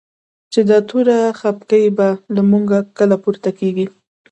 چی دا توره خپکی به؛ له موږ کله پورته کیږی